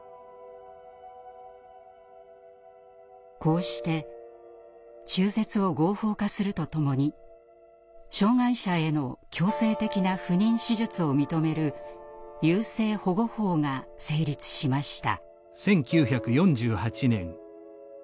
こうして中絶を合法化するとともに障害者への強制的な不妊手術を認める優生保護法が成立しました。